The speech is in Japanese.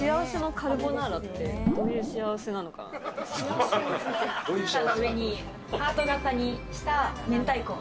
カルボナーラの上にハート形にした明太子。